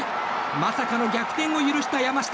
まさかの逆転を許した山下。